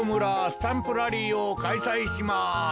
スタンプラリーをかいさいします！